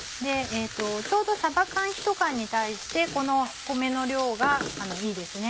ちょうどさば缶１缶に対してこの米の量がいいですね。